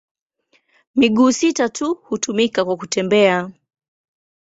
Miguu sita tu hutumika kwa kutembea.